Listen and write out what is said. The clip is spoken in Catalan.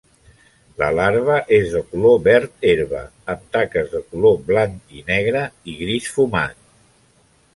La larva és de color verd herba, amb taques de color blanc i negre i gris fumat.